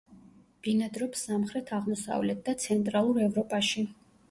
ბინადრობს სამხრეთ-აღმოსავლეთ და ცენტრალურ ევროპაში.